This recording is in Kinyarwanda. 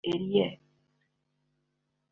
Eliel